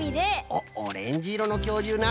おっオレンジいろのきょうりゅうな。